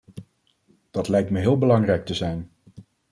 Dat lijkt me heel belangrijk te zijn.